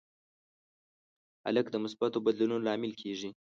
هلک د مثبتو بدلونونو لامل کېږي.